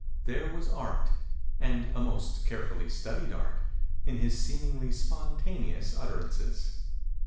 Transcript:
There was art and a most carefully stud ied art in his seemingly spontaneous utter ances.